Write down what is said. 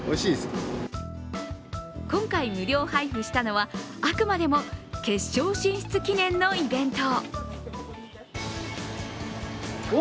今回、無料配布したのはあくまでも決勝進出記念のイベント。